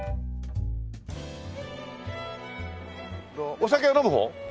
お酒は飲むほう？